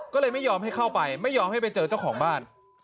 ก็เลยไม่ยอมให้เข้าไปไม่ยอมให้ไปเจอเจ้าของบ้าน